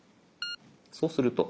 そうすると。